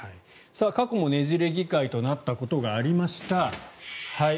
過去もねじれ議会となったことがありました。